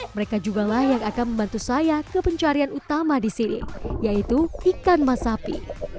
mereka juga lah yang akan membantu saya ke pencarian utama di sini yaitu ikan masapi